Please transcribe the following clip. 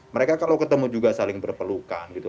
mereka kalau ketemu juga saling berpelukan gitu